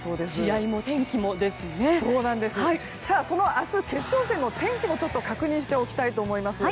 明日、決勝戦の天気も確認しておきたいと思います。